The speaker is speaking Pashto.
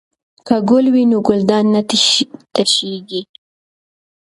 که ګل وي نو ګلدان نه تشیږي.